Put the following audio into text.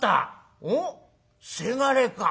「おっせがれか。